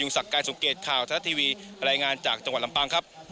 สักการสมเกตข่าวทะทีวีรายงานจากจังหวัดลำปางครับ